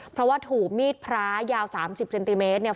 เพราะว่าถูกมีดพระยาว๓๐เซนติเมตรเนี่ย